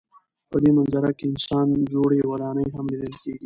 په دې منظره کې انسان جوړې ودانۍ هم لیدل کېږي.